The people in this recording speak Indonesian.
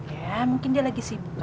ya mungkin dia lagi sibuk